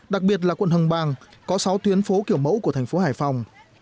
đặc biệt là quận hồng bàng có sáu tuyến phố kiểu mẫu của thành phố hải phòng